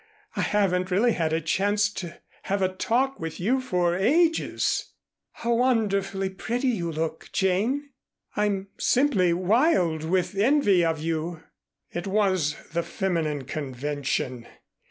I haven't really had a chance to have a talk with you for ages." "How wonderfully pretty you look, Jane? I'm simply wild with envy of you." It was the feminine convention.